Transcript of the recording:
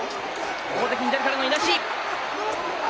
大関、左からのいなし。